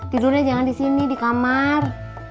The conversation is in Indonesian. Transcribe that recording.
tidurnya jangan di sini di kamar